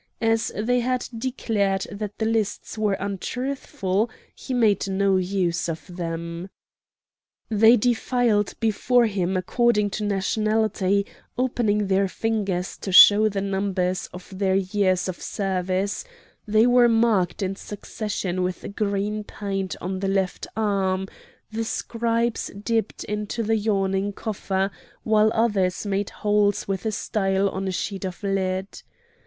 As they had declared that the lists were untruthful, he made no use of them. They defiled before him according to nationality, opening their fingers to show the number of their years of service; they were marked in succession with green paint on the left arm; the scribes dipped into the yawning coffer, while others made holes with a style on a sheet of lead.